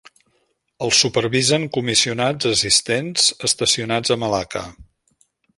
El supervisen comissionats assistents estacionats a Malaca.